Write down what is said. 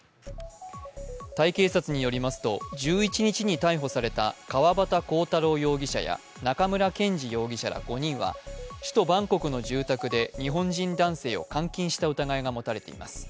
タイ警察によりますと１１日に逮捕された川端浩太郎容疑者や中村健二容疑者ら５人は首都バンコクの住宅で日本人男性を監禁した疑いが持たれています。